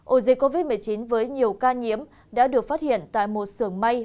ổ dịch covid một mươi chín với nhiều ca nhiễm đã được phát hiện tại một sưởng may